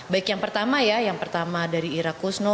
baik yang pertama ya yang pertama dari ira kusno